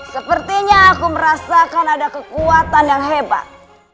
sepertinya aku merasakan ada kekuatan yang hebat